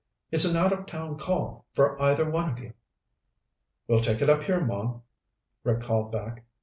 "It's an out of town call, for either one of you." "We'll take it up here, Mom," Rick called back.